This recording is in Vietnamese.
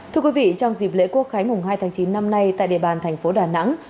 thưa quý vị trong dịp lễ quốc khái mùng hai tháng chín năm nay tại địa bàn thành phố đà nẵng